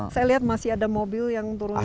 saya lihat masih ada mobil yang turun